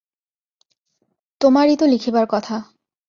তোমারই তো লিখিবার কথা।